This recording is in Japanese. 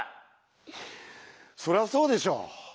そりゃあそうでしょう。